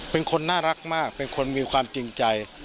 เป็นคนน่ารักมากเป็นคนมีความจริงใจ